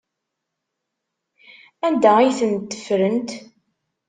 Anda ay tent-ffrent?